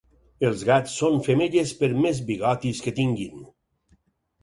Els gats són femelles per més bigotis que tinguin.